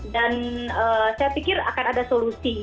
dan saya pikir akan ada solusi